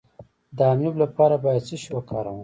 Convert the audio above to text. د امیب لپاره باید څه شی وکاروم؟